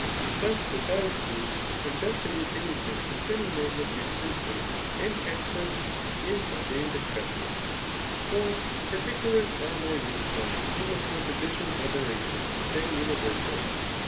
But beades these, to investigate any thing ccmceming magnitude simply and excess, is a vain discus^on* For particulars are more useful [in the composition of orations] than universals.